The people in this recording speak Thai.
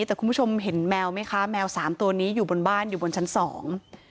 แต่คุณผู้ชมเห็นแมวไหมคะแมวสามตัวนี้อยู่บนบ้านอยู่บนชั้นสอง